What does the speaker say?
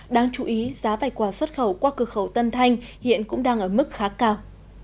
đáng chú ý giá vẻ quả xuất khẩu qua cửa khẩu tân thanh hiện cũng đang ở mức khá cao